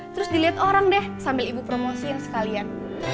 terus dilihat orang deh sambil ibu promosiin sekalian